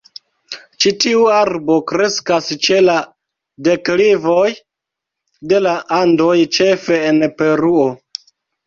Ĉi tiu arbo kreskas ĉe la deklivoj de la Andoj, ĉefe en Peruo.